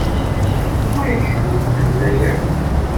Ur ak-ten-id-temla ara.